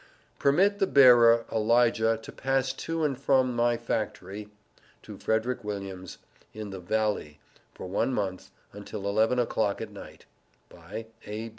Permit the Bearer Elijah to pass to and from my FACTORY, to Frederick Williams, In the Vallie, for one month, untill 11 o'clock at night. By _A.